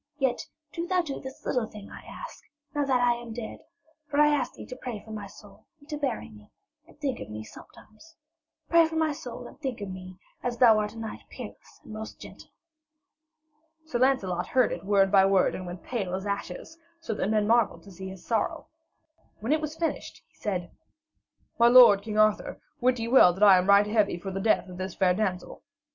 Yet do thou do this little thing I ask, now that I am dead, for I ask thee to pray for my soul and to bury me, and think of me sometimes. Pray for my soul and think of me, as thou art a knight peerless and most gentle.' Sir Lancelot heard it word by word and went pale as ashes, so that men marvelled to see his sorrow. When it was finished, he said: 'My lord, King Arthur, wit ye well that I am right heavy for the death of this fair damsel.